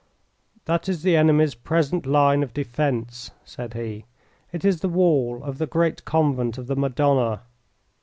"That is the enemy's present line of defence," said he. "It is the wall of the great Convent of the Madonna.